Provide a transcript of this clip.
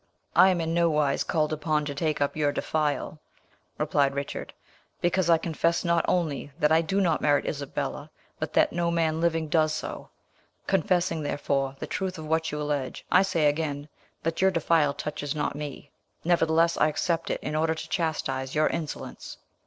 "I am in no wise called upon to take up your defial," replied Richard; "because I confess not only that I do not merit Isabella, but that no man living does so. Confessing, therefore, the truth of what you allege, I say again, that your defial touches not me; nevertheless, I accept it in order to chastise your insolence."